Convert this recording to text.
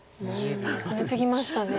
ハネツギましたね。